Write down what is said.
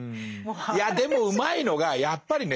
いやでもうまいのがやっぱりね